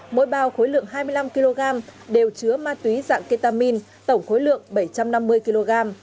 mỗi bao khối lượng hai mươi năm kg đều chứa ma túy dạng ketamin tổng khối lượng bảy trăm năm mươi kg